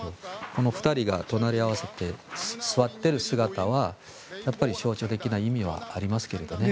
この２人が隣り合わせで座っている姿は象徴的な意味はありますけどね。